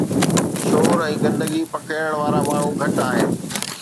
شور ۽ گندگي پکيڙڻ وارا ماڻهو گهٽ آهن